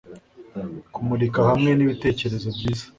Kumurika hamwe nibitekerezo byiza